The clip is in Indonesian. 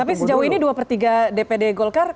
tapi sejauh ini dua per tiga dpd golkar